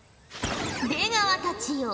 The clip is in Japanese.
出川たちよ